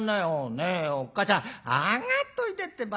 ねえおっかちゃん上がっといでってば。